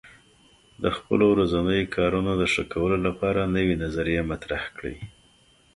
د خپلو ورځنیو کارونو د ښه کولو لپاره نوې نظریې مطرح کړئ.